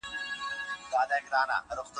بلې نه کټ کټ خندا